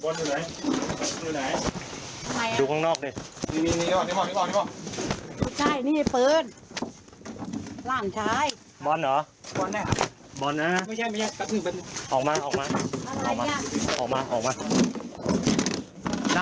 เนี้ยแล้วครับตอนจับเนี้ยนะนั่งลงนั่งลงออกมาออกมาเนี้ยนะฮะ